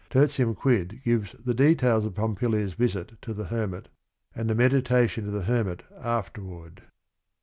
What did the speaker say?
Tertium Quid gives the details of Pompilia's visit to the hermit and the meditation of the hermit afterward.